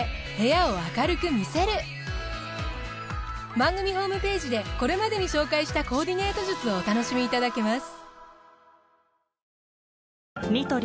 番組ホームページでこれまでに紹介したコーディネート術をお楽しみいただけます。